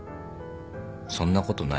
そんなことない。